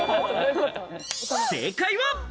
正解は。